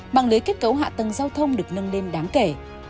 mạng lưới kết cấu hạ tầng giao thông được nâng lên đáng kể